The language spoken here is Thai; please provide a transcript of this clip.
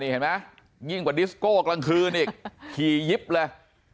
เห็นไหมยิ่งกว่าดิสโก้กลางคืนอีกขี่ยิบเลย